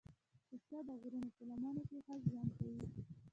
پسه د غرونو په لمنو کې ښه ژوند کوي.